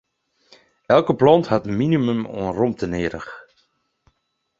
Elke plant hat in minimum oan romte nedich.